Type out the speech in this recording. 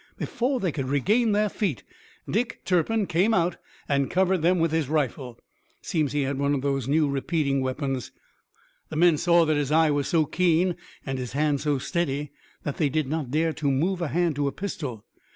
Before they could regain their feet Dick Turpin came out and covered them with his rifle it seems that he had one of those new repeating weapons. "The men saw that his eye was so keen and his hand so steady that they did not dare to move a hand to a pistol.